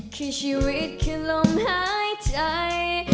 คือชีวิตคือลมหายใจ